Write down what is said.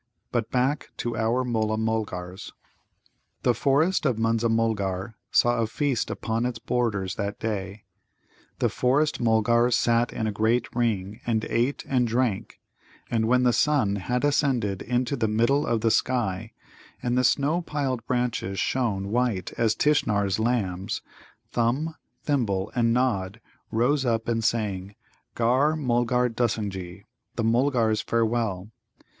But back to our Mulla mulgars. The forest of Munza mulgar saw a feast upon its borders that day. The Forest mulgars sat in a great ring, and ate and drank, and when the sun had ascended into the middle of the sky and the snow piled branches shone white as Tishnar's lambs, Thumb, Thimble, and Nod, rose up and sang, "Gar Mulgar Dusangee" the Mulgars' Farewell.